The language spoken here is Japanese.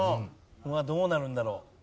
どうなるんだろう？